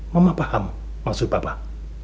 mama paham maksud bapak